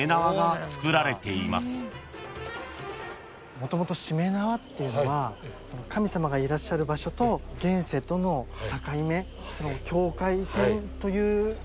もともとしめ縄っていうのは神様がいらっしゃる場所と現世との境目境界線という意味をね